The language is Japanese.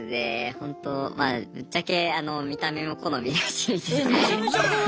ホントまあぶっちゃけ見た目も好みだし。